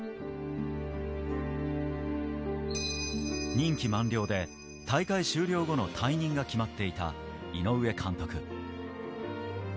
任期満了で大会終了後の退任が決まっていた井上監督。